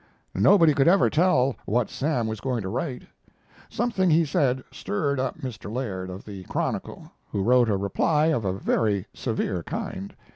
Nobody could ever tell what Sam was going to write. Something he said stirred up Mr. Laird, of the Chronicle, who wrote a reply of a very severe kind.